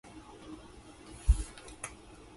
怪奇小説の中で最も素晴らしい